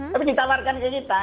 tapi ditawarkan ke kita